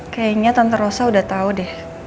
kayaknya tante rosa udah tahu deh